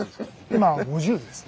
今５０ですね。